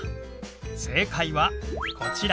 正解はこちら。